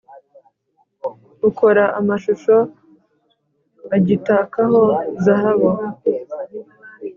Ukora amashusho agitakaho zahabu,